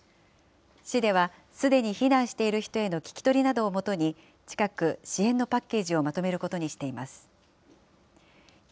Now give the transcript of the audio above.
市では、すでに避難している人への聞き取りなどをもとに、近く、支援のパッケージをまとめることにしています。